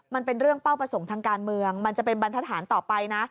มันเป็นเรื่องเป้าประสงค์ทางการเมืองมันจะเป็นบรรทฐานต่อไปนะ